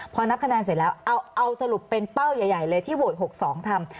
พอนับคะแนนเสร็จแล้วเอาสรุปเป็นเป้าใหญ่เลยที่โหวต๖๒ทำ